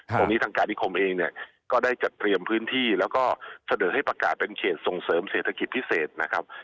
ตรงนี้ทางการนิคมเองเนี่ยก็ได้จัดเตรียมพื้นที่แล้วก็เสนอให้ประกาศเป็นเขตส่งเสริมเศรษฐกิจพิเศษนะครับ